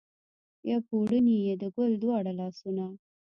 پر پوړني یې د ګل دواړه لاسونه